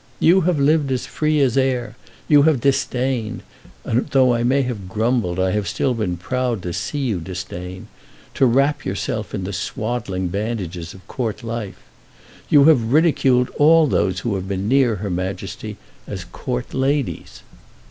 You have lived as free as air. You have disdained, and though I may have grumbled I have still been proud to see you disdain, to wrap yourself in the swaddling bandages of Court life. You have ridiculed all those who have been near her Majesty as Court ladies."